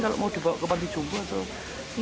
kalau mau dibawa ke panti jombo atau